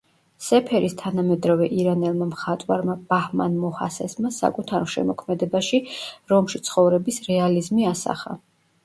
სეფერის თანამედროვე ირანელმა მხატვარმა – ბაჰმან მოჰასესმა საკუთარ შემოქმედებაში რომში ცხოვრების რეალიზმი ასახა.